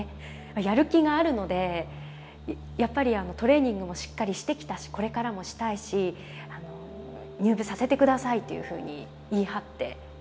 やる気があるのでやっぱりトレーニングもしっかりしてきたしこれからもしたいし入部させて下さいというふうに言い張って。